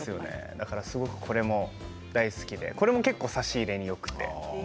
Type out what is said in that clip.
だからすごく、これも大好きでこれも、結構、差し入れによくて。